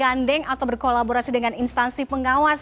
gandeng atau berkolaborasi dengan instansi pengawas